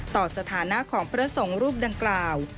สถานะของพระสงฆ์รูปดังกล่าว